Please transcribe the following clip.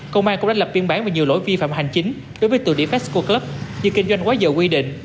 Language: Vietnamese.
công an cũng đã lập viên bản về nhiều lỗi vi phạm hành chính đối với tựa địa fesco club như kinh doanh quá dở quy định